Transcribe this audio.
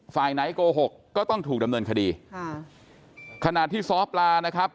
ฝ่ายไหนโกหกก็ต้องถูกดำเนินคดีค่ะขณะที่ซ้อปลานะครับ